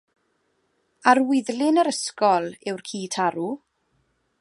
Arwyddlun yr ysgol yw'r ci tarw.